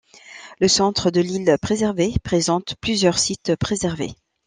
Le centre de l'île, préservé, présente plusieurs sites préservés.